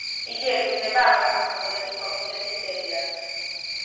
იგი ეფუძნება ამავე სახელწოდების კომიქსების სერიას.